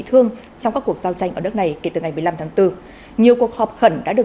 thương trong các cuộc giao tranh ở đất này kể từ ngày một mươi năm tháng bốn nhiều cuộc họp khẩn đã được